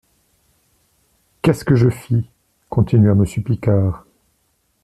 «, Qu'est-ce que je fis ? continua monsieur Picard.